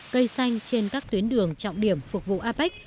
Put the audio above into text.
cây xanh trên các tuyến đường trọng điểm phục vụ apec